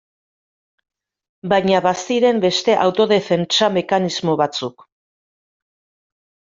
Baina baziren beste autodefentsa mekanismo batzuk.